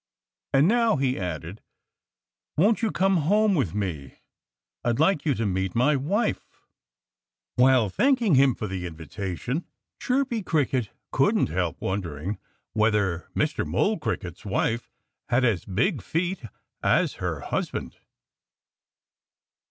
And now," he added, "won't you come home with me? I'd like you to meet my wife." While thanking him for the invitation, Chirpy Cricket couldn't help wondering whether Mr. Mole Cricket's wife had as big feet as her husband.